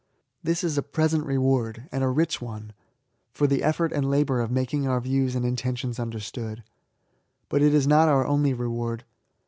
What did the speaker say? This is a present reward, and a rich one, for the effort and labour of making our views and intentions understood. But it is not our only reward.